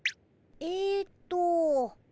えっと。